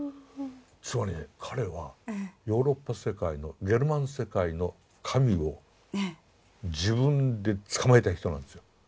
つまりね彼はヨーロッパ世界のゲルマン世界の神を自分で捕まえた人なんですよ。